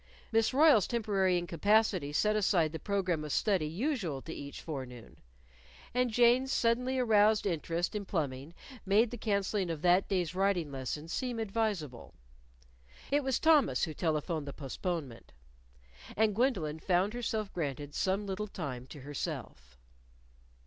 Miss Royle's temporary incapacity set aside the program of study usual to each forenoon; and Jane's suddenly aroused interest in plumbing made the canceling of that day's riding lesson seem advisable. It was Thomas who telephoned the postponement. And Gwendolyn found herself granted some little time to herself.